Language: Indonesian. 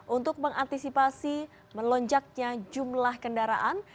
untuk mengantisipasi melonjaknya jumlah kendaraan